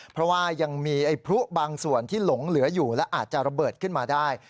เพราะว่ายังมีไอ้พลุบางส่วนที่หลงเหลืออยู่และอาจจะระเบิดขึ้นมาได้